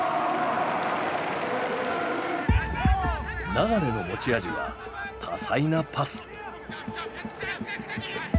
流の持ち味は多彩なパス。